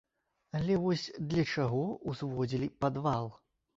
Але вось для чаго ўзводзілі падвал?